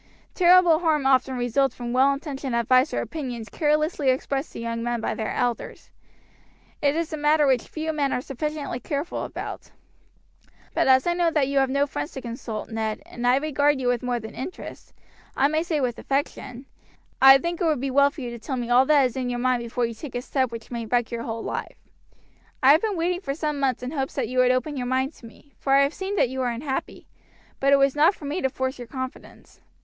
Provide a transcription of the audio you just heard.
Terrible harm often results from well intentioned advice or opinions carelessly expressed to young men by their elders; it is a matter which few men are sufficiently careful about; but as I know that you have no friends to consult, Ned, and as I regard you with more than interest, I may say with affection, I think it would be well for you to tell me all that there is in your mind before you take a step which may wreck your whole life. "I have been waiting for some months in hopes that you would open your mind to me, for I have seen that you were unhappy; but it was not for me to force your confidence."